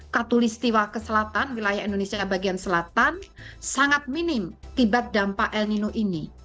katolik setiwa keselatan wilayah indonesia bagian selatan sangat minim tibat dampak el nino ini